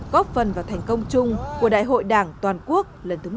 góp phần vào thành công chung của đại hội đảng toàn quốc lần thứ một mươi ba